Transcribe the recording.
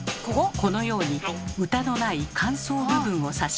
このように歌のない間奏部分を指します。